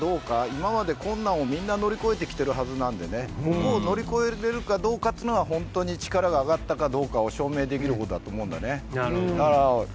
今まで困難をみんな乗り越えてきているはずなのでここを乗り越えられるかどうかというのが本当に力が上がったかどうかを証明できることだと思うんだよね。